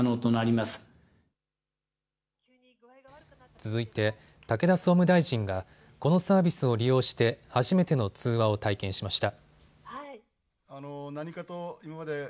続いて武田総務大臣がこのサービスを利用して初めての通話を体験しました。